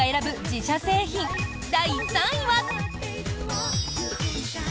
自社製品第３位は。